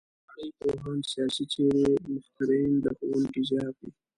د نړۍ پوهان، سیاسي څېرې، مخترعین د ښوونکي زیار دی.